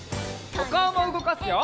おかおもうごかすよ！